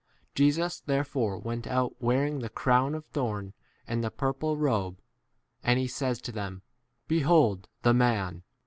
Jesus therefore went out wearing the crown of thorn and the purple robe, and he says to them, Behold the man